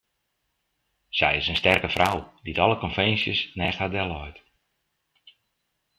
Sy is in sterke frou dy't alle konvinsjes neist har delleit.